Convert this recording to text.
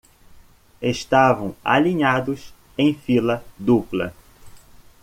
Estavam alinhados em fila dupla